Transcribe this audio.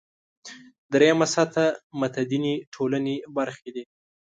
درېیمه سطح متدینې ټولنې برخې دي.